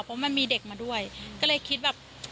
เพราะมันมีเด็กมาด้วยก็เลยคิดแบบ